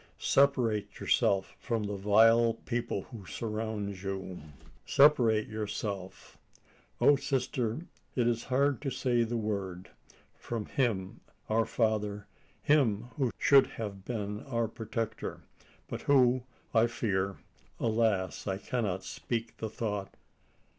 Separate yourself from the vile people who surround you separate yourself O sister! it is hard to say the word from him, our father him who should have been our protector, but who, I fear Alas! I cannot speak the thought.